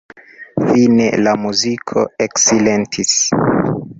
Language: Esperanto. Fine la muziko eksilentis.